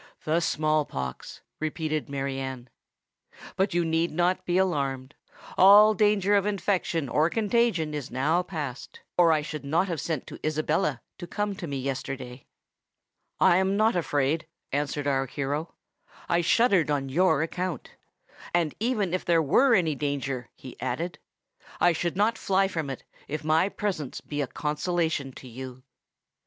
"The small pox," repeated Mary Anne. "But you need not be alarmed: all danger of infection or contagion is now past—or I should not have sent to Isabella to come to me yesterday." "I am not afraid," answered our hero: "I shuddered on your account. And even if there were any danger," he added, "I should not fly from it, if my presence be a consolation to you."